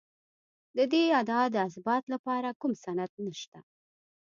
د دې ادعا د اثبات لپاره کوم سند نشته.